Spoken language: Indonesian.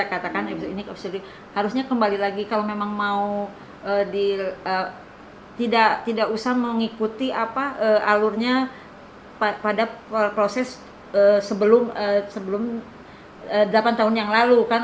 katakan harusnya kembali lagi kalau memang mau tidak usah mengikuti alurnya pada proses sebelum delapan tahun yang lalu kan